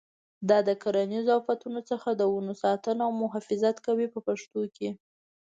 دا د کرنیزو آفتونو څخه د ونو ساتنه او محافظت کوي په پښتو کې.